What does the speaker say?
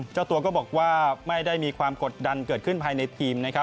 เจ้าตัวก็บอกว่าไม่ได้มีความกดดันเกิดขึ้นภายในทีมนะครับ